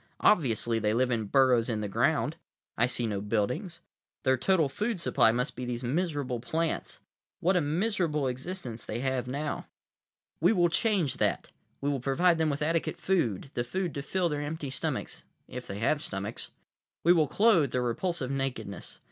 Obviously they live in burrows in the ground; I see no buildings. Their total food supply must be these miserable plants. What a miserable existence they have now! "We will change that. We will provide them with adequate food, the food to fill their empty stomachs—if they have stomachs. We will clothe their repulsive nakedness.